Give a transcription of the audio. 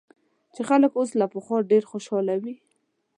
چې خلک اوس له پخوا ډېر خوشاله وي